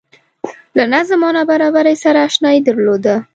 له نظم او نابرابرۍ سره اشنايي درلوده